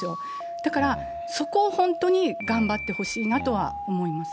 だから、そこを本当に頑張ってほしいなとは思います。